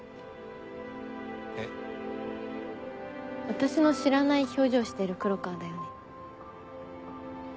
私の知らない表情してる黒川だよね？